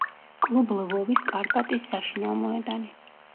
კლუბ ლვოვის „კარპატის“ საშინაო მოედანი.